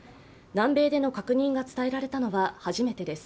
南米での確認が伝えられたのは初めてです。